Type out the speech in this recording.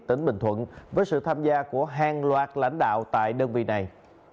tỉnh bình thuận với sự tham gia của hàng loạt lãnh đạo tại đơn vị này